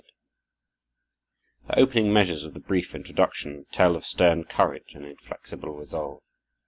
The opening measures of the brief introduction tell of stern courage and inflexible resolve.